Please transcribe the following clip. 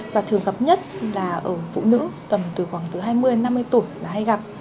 và thường gặp nhất là ở phụ nữ tầm từ khoảng từ hai mươi năm mươi tuổi là hay gặp